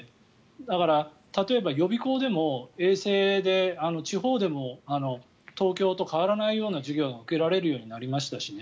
だから、例えば予備校でも衛星で、地方でも東京と変わらないような授業が受けられるようになりましたしね。